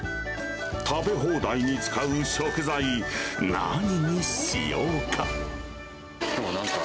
食べ放題に使う食材、何にしようか。